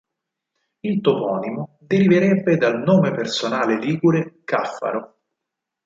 Il toponimo deriverebbe dal nome personale ligure "Caffaro".